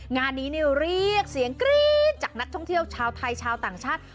งานนี้เรียกเสียงกรี๊ดจากนักท่องเที่ยวชาวไทยชาวต่างชาติ